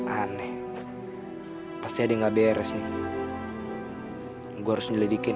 aneh pasti ada yang gak beres nih gue harus nyelidikin